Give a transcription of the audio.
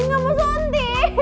enggak mau suntik